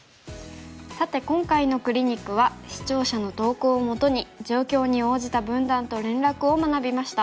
さて今回のクリニックは視聴者の投稿をもとに状況に応じた分断と連絡を学びました。